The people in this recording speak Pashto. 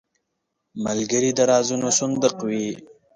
ملګری د رازونو صندوق وي